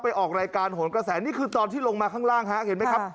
ออกรายการโหนกระแสนี่คือตอนที่ลงมาข้างล่างฮะเห็นไหมครับ